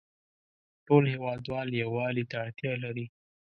ټول هیوادوال یووالې ته اړتیا لری